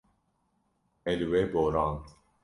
Me li we borand.